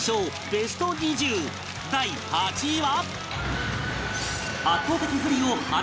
ベスト２０第８位は